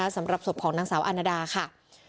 สำหรับศพของนางสาวอาณาดาค่ะ